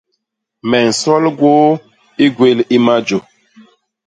Me nsol gwôô i gwél i majô.